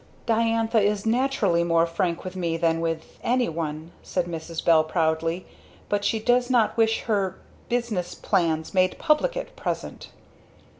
"Diantha is naturally more frank with me than with anyone," said Mrs. Bell proudly, "But she does not wish her business plans made public at present!"